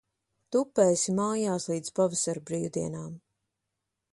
Tupēsi mājās līdz pavasara brīvdienām.